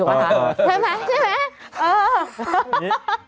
ใช่ไหมใช่ไหม